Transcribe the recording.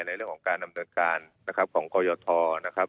ในเรื่องของการนำเนิดการของกรยธร